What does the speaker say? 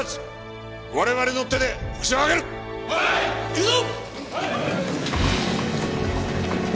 行くぞ！